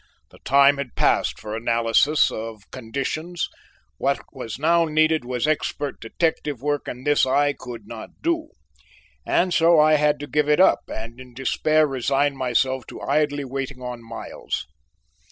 The time had passed for analyses of conditions; what was now needed was expert detective work, and this I could not do, and so I had to give it up and in despair resign myself to idly waiting on Miles.